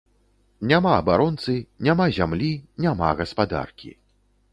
Няма абаронцы, няма зямлі, няма гаспадаркі.